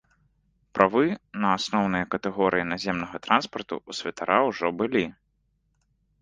Правы на асноўныя катэгорыі наземнага транспарту ў святара ўжо былі.